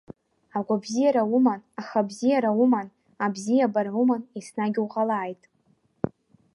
Агәабзиара уман, ахабзиара уман, абзиабара уман еснагь уҟалааит!